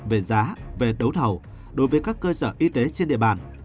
về giá về đấu thầu đối với các cơ sở y tế trên địa bàn